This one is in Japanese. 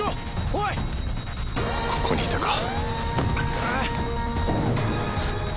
ここにいたか。